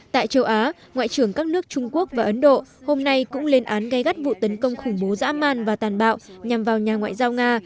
tại châu á ngoại trưởng các nước trung quốc và ấn độ hôm nay cũng lên án gai gắt vụ tấn công khủng bố dã man và tàn bạo nhằm vào nhà ngoại giao nga